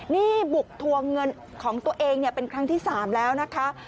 นี่บุกทวงเงินของตัวเองเป็นครั้งที่๓แล้วนะคะ